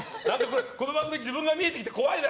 この番組自分が見えてきて怖いな。